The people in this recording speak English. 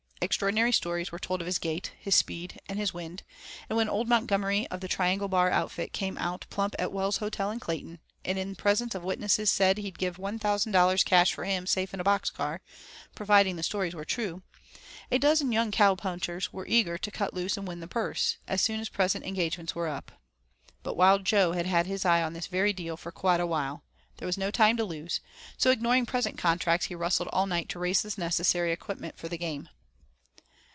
Extraordinary stories were told of his gait, his speed, and his wind, and when old Montgomery of the 'triangle bar' outfit came out plump at Well's Hotel in Clayton, and in presence of witnesses said he'd give one thousand dollars cash for him safe in a box car, providing the stories were true, a dozen young cow punchers were eager to cut loose and win the purse, as soon as present engagements were up. But Wild Jo had had his eye on this very deal for quite a while; there was no time to lose, so ignoring present contracts he rustled all night to raise the necessary equipment for the game.